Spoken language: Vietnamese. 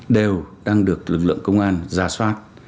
đều đang được lực lượng công an ra soát